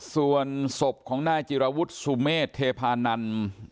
ส่วนสบของหน้าจีรวุดซุเมตต์เทพานนร